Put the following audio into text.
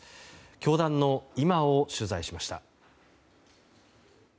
教団の今を取材しました。